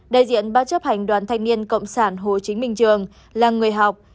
đại diện ban chấp hành đoàn thanh niên cộng sản hồ chí minh trường là người học